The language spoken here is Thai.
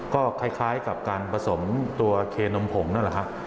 ก็คล้ายกับการผสมตัวเคนมผงนั่นแหละครับ